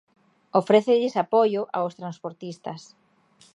Ofrécelles apoio aos transportistas.